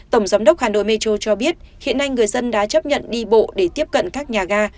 tổng giám đốc hà nội metro cho biết hiện nay người dân đã chấp nhận đi bộ để tiếp cận các nhà ga